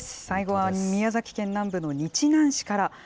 最後は宮崎県南部の日南市から。